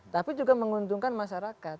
tapi juga menguntungkan masyarakat